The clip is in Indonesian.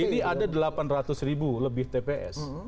ini ada delapan ratus ribu lebih tps